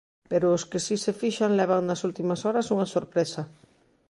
Pero os que si se fixan levan nas últimas horas unha sorpresa.